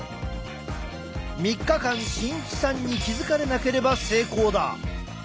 ３日間慎一さんに気付かれなければ成功だ。